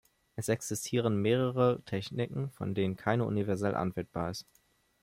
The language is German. Es existieren mehrere Techniken, von denen keine universell anwendbar ist.